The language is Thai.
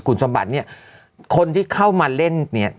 คุณสมบัติเนี่ยคนที่เข้ามาเล่นเนี่ย